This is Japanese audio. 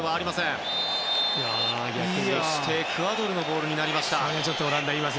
エクアドルのボールになりました。